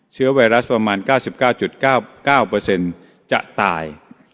เชื้อไวรัสประมาณ๙๙๙๙๙จะตาย